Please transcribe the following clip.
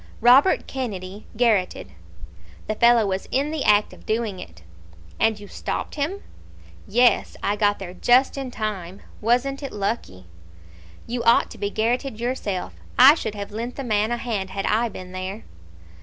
"Robert Kennedy garrotted!" "The fellow was in the act of doing it." "And you stopped him?" "Yes; I got there just in time. Wasn't it lucky?" "You ought to be garrotted yourself. I should have lent the man a hand had I been there."